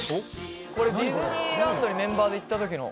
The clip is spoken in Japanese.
ディズニーランドにメンバーで行った時の。